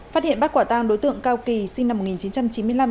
phát hiện bắt quả tang đối tượng cao kỳ sinh năm một nghìn chín trăm chín mươi năm